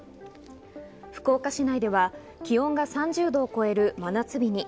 福岡市内では気温が３０度を超える真夏日に。